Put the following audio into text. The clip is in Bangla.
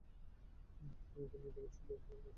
প্রথমে ওপেনিংয়ে ডাবল সেঞ্চুরিতে, পরে আচমকা আসা ব্যাটিং ধসে।